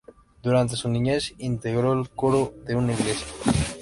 Durante su niñez, integró el coro de una iglesia.